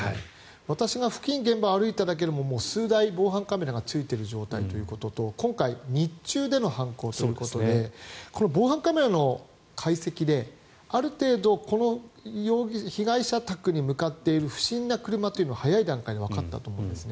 私が現場付近を歩いただけでももう数台、防犯カメラがついている状態ということと今回、日中での犯行ということで防犯カメラの解析で、ある程度この被害者宅に向かっている不審な車というのは早い段階でわかったと思うんですね。